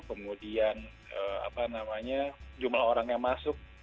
kemudian jumlah orang yang masuk